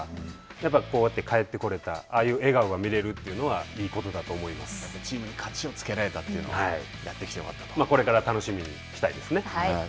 やっぱりこうやって帰ってこれた、ああいう笑顔が見れるというのは、チームに勝ちをつけられたといこれから楽しみにしたいですね。